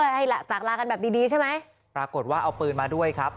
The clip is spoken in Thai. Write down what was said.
ให้จากลากันแบบดีดีใช่ไหมปรากฏว่าเอาปืนมาด้วยครับ